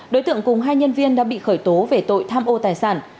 đối tượng cùng hai nhân viên đã bị khởi tố về tội tham ô tài sản